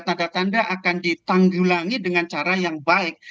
tanda tanda akan ditanggulangi dengan cara yang baik